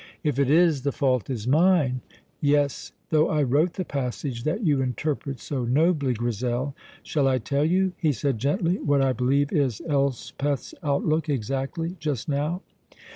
"If it is, the fault is mine; yes, though I wrote the passage that you interpret so nobly, Grizel. Shall I tell you," he said gently, "what I believe is Elspeth's outlook exactly, just now?